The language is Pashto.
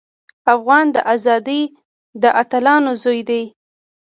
افغان د ازادۍ د اتلانو زوی دی.